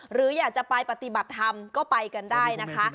หรืออยากจะไปปฏิบัติธรรมก็ไปกันได้นะคะ